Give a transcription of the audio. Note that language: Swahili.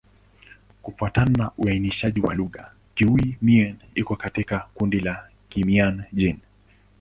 Kufuatana na uainishaji wa lugha, Kiiu-Mien iko katika kundi la Kimian-Jin.